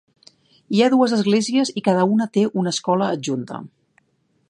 Hi ha dues esglésies i cada una té una escola adjunta.